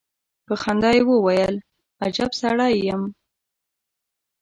په خندا يې وويل: اجب سړی يم.